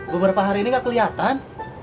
beberapa hari ini gak kelihatan